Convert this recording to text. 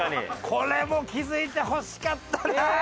これも気づいてほしかったな。